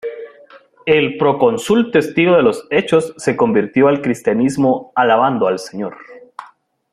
El procónsul, testigo de los hechos, se convirtió al cristianismo alabando al Señor.